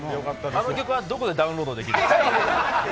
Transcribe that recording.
あの曲はどこでダウンロードできるんですか？